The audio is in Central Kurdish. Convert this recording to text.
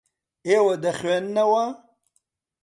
ئێوە دەخوێننەوە.